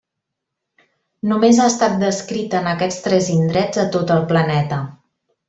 Només ha estat descrita en aquests tres indrets a tot el planeta.